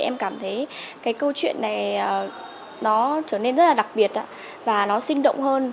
em cảm thấy câu chuyện này trở nên rất là đặc biệt và nó sinh động hơn